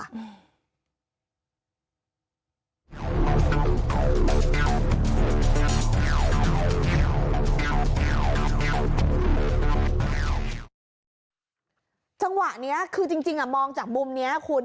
สังหวะเนี้ยคือจริงจริงอ่ะมองจากมุมเนี้ยคุณ